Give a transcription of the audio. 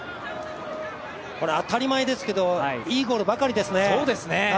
当たり前ですけどいいゴールばかりですね。